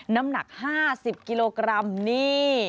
น้ำหนัก๕๐กิโลกรัมนี่